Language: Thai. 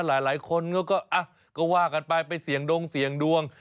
หลายคนก็ว่ากันไปไปเสี่ยงดงเสี่ยงดวง